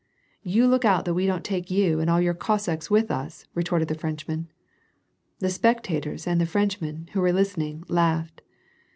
" You look out that we don't take you and all your Cossacks with us," retorted the Frenchman. The spectators and the Frenchmen, who were listening, laughed.